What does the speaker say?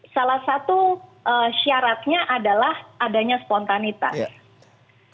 salah satu syaratnya adalah adanya spontanitas